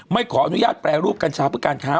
ไม่ขอนุญาตแปรรูปกัญชาพืชกัญชา